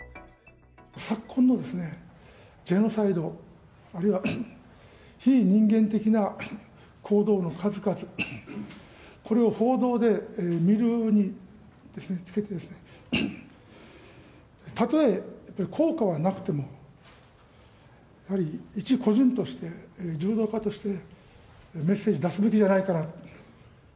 昨今のジェノサイド、あるいは非人間的な行動の数々、これを報道で見るにつけてですね、たとえ効果はなくても、やはり一個人として、柔道家として、メッセージを出すべきじゃないかなと。